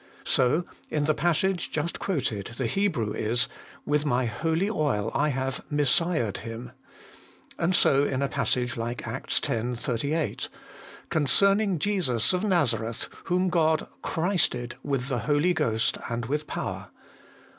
So, in the passage just quoted, the Hebrew is, ' with my holy oil I have messiahed him.' And so in a passage like Acts x. 38 :' Concerning Jesus of Nazareth, whom God christed with the Holy Ghost and with power.'